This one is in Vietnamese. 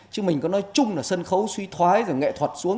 chứ mình có nói chung là sân khấu suy thoái rồi nghệ thuật xuống